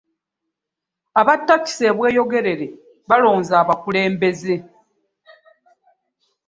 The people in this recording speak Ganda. Aba ttakisi e Bweyogerere balonze abakulembeze .